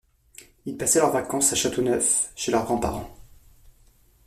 Ils passaient leurs vacances à Châteauneuf, chez leurs grands-parents.